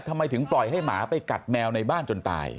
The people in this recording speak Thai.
ทำไมถึงปล่อยให้หมาไปกัดแมวในบ้านจนตาย